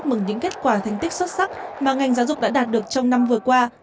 mừng những kết quả thành tích xuất sắc mà ngành giáo dục đã đạt được trong năm vừa qua